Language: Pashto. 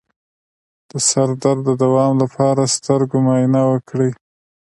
د سر درد د دوام لپاره د سترګو معاینه وکړئ